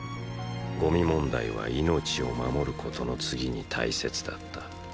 ゴミ問題は命を守ることの次に大切だった。